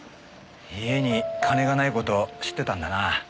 家に金がない事知ってたんだな。